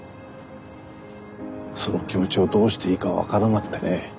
その気持ちをどうしていいか分からなくてね。